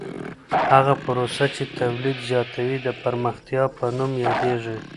هغه پروسه چي تولید زیاتوي د پرمختیا په نوم یادیږي.